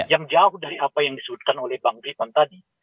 yang jauh dari apa yang disebutkan oleh bang rifan tadi